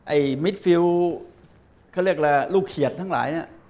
ไอ้มิดฟิล์ด์เขาเรียกละลูกเขียดทั้งหลายเนี่ย